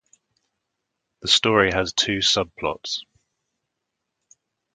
The story has two sub plots.